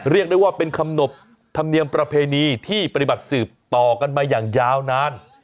เรียกได้ว่าเป็นคำหนบธรรมเนียมประเพณีที่ปฏิบัติสืบต่อกันมาอย่างยาวนาน